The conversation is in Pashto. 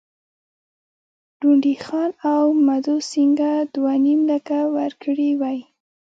ډونډي خان او مدو سینګه دوه نیم لکه ورکړي وای.